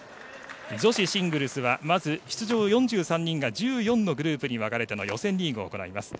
女子シングルスはまず出場４３人が１４のグループに分かれての予選リーグを行います。